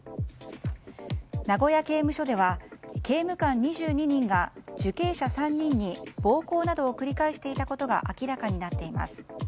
名古屋刑務所では刑務官２２人が受刑者３人に暴行などを繰り返していたことが明らかになっています。